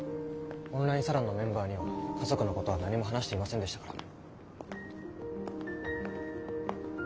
オンラインサロンのメンバーには家族のことは何も話していませんでしたから。